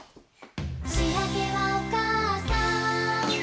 「しあげはおかあさん」